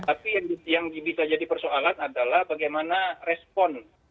tapi yang bisa jadi persoalan adalah bagaimana respon